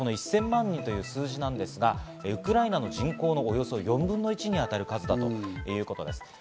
１０００万人という数字なんですが、ウクライナの人口のおよそ４分の１に当たる数だということです。